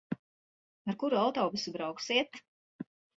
Ar kuru autobusu brauksiet?